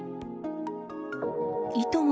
いとも